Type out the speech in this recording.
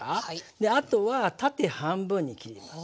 であとは縦半分に切ります。